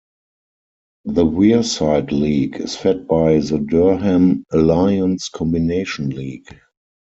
The Wearside League is fed by the Durham Alliance Combination League.